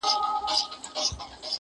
د لېوه ستوني ته سر یې کړ دننه؛